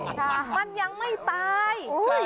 มันยังไม่ไต